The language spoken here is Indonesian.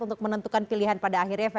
untuk menentukan pilihan pada akhirnya